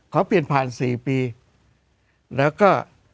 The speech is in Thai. ขอเปลี่ยนภายอีกสี่ปีแล้วก็